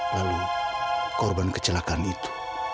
lalu korban kecelakaan itu